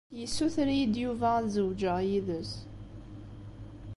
Yessuter-iyi-d Yuba ad zewǧeɣ yid-s.